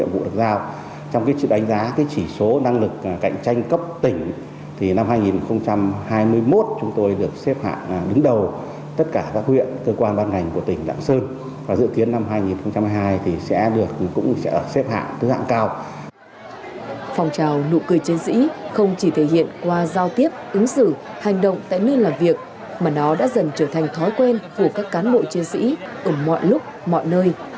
phong trào nụ cười chiến sĩ không chỉ thể hiện qua giao tiếp ứng xử hành động tại nơi làm việc mà nó đã dần trở thành thói quen của các cán bộ chiến sĩ ở mọi lúc mọi nơi